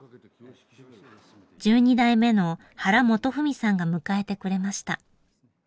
１２代目の原元文さんが迎えてくれました。